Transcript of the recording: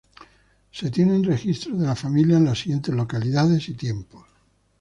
Se tienen registro de la familia en las siguientes localidades y tiempos.